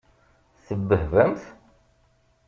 Tebbehbamt?